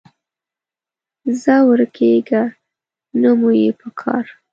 ځه ورکېږه، نه مو یې پکار